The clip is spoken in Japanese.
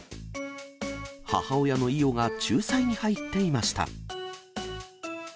母親のイオが仲裁に入っていました。